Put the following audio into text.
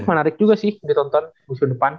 menarik juga sih ditonton musim depan